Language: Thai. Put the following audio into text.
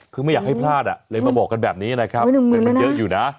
คือไม่อยากให้พลาดเลยมาบอกกันแบบนี้นะครับเงินมันเยอะอยู่นะ